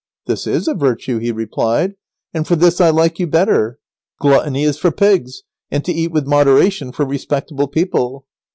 "This is a virtue," he replied, "and for this I like you better. Gluttony is for pigs and to eat with moderation for respectable people."